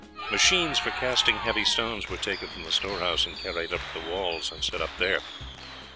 Machines for casting heavy stones were taken from the storehouse and carried up to the walls, and set up there.